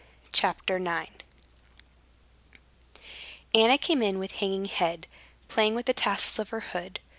Chapter 9 Anna came in with hanging head, playing with the tassels of her hood.